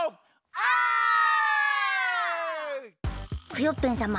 クヨッペンさま